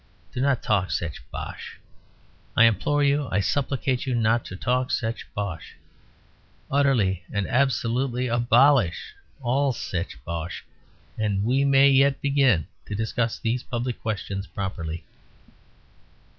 Do not talk such bosh. I implore you, I supplicate you not to talk such bosh. Utterly and absolutely abolish all such bosh and we may yet begin to discuss these public questions properly.